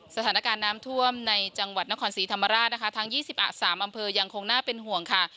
สถานการณ์น้ำท่วมในจังหวัดนครศรีธรรมราชนะคะทั้ง๒๓อำเภอยังคงน่าเป็นห่วงค่ะ